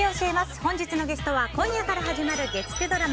本日のゲストは今夜から始まる月９ドラマ